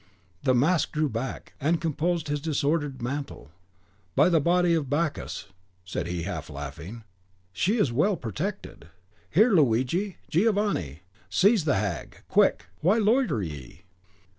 The mask drew back, and composed his disordered mantle. "By the body of Bacchus!" said he, half laughing, "she is well protected. Here, Luigi, Giovanni! seize the hag! quick! why loiter ye?"